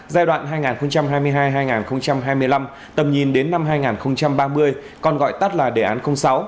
giai đoạn hai nghìn hai mươi hai hai nghìn hai mươi năm tầm nhìn đến năm hai nghìn ba mươi còn gọi tắt là đề án sáu